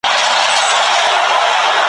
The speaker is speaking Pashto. په سیالانو کي ناسیاله وه خوږ من وه,